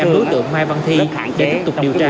đối tượng mai văn thi để tiếp tục điều tra